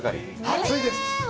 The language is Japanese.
暑いです。